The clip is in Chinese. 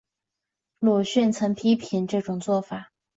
鲁迅曾批评这种做法。